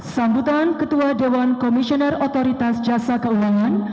sambutan ketua dewan komisioner otoritas jasa keuangan